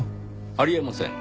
あり得ません。